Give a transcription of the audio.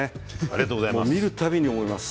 ありがとうございます。